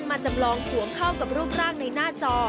จำลองสวมเข้ากับรูปร่างในหน้าจอ